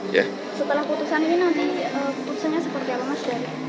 setelah putusan ini nanti keputusannya seperti apa mas